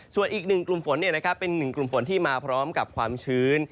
ส่วนอีกหนึ่งกลุ่มฝนเป็นหนึ่งกลุ่มฝนที่มาพร้อมกับความชื้น